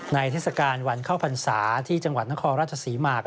เทศกาลวันเข้าพรรษาที่จังหวัดนครราชศรีมา